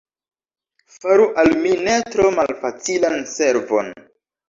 Faru al mi ne tro malfacilan servon!